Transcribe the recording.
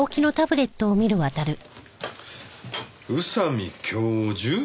「宇佐美教授」